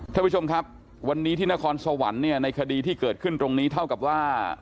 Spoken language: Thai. ท่านผู้ชมครับวันนี้ที่นครสวรรค์เนี่ยในคดีที่เกิดขึ้นตรงนี้เท่ากับว่า